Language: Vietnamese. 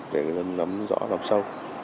để người dân lắm rõ lòng sâu